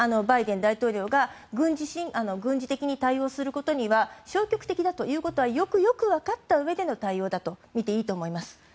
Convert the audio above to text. バイデン大統領が軍事的に対応することには消極的だということはよくよくわかったうえでの対応だとみていいと思います。